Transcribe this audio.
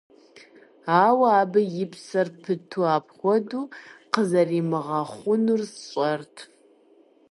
Ауэ абы и псэр пыту апхуэдэ къызэримыгъэхъунур сщӏэрт.